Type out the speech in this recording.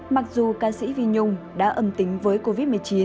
mặc dù ca sĩ vinh nhung đã âm tính với covid một mươi chín sau hai lần xét nghiệm